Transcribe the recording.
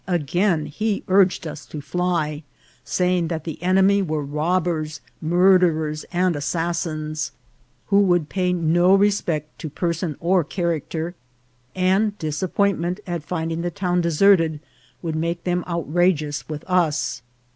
Again he urged us to fly, saying that the enemy were robbers, murderers, and assassins, who would pay no respect to person or character, and disappointment at finding the town deserted would make them outrageous with us.